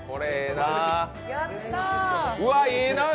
うわ、ええなあ！